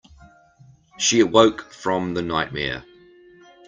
She awoke from the nightmare.